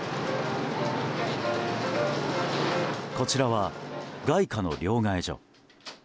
こちらは外貨の両替所。